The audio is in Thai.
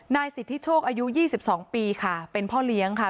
นายสิทธิโชคอายุ๒๒ปีค่ะเป็นพ่อเลี้ยงค่ะ